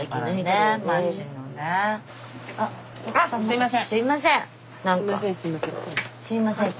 すいません！